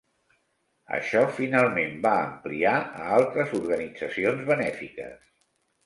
Això finalment va ampliar a altres organitzacions benèfiques.